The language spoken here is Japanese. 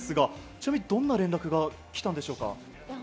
どんな連絡が来たんでしょうか？